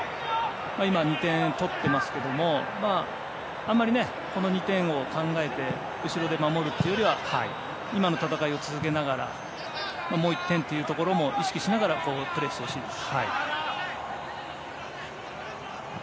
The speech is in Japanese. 今、２点を取っていますがあまりこの２点を考えて後ろで守るというよりは今の戦いを続けながらもう１点というところも意識しながらプレーしてほしいです。